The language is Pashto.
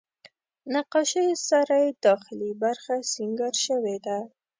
نقاشیو سره یې داخلي برخه سینګار شوې ده.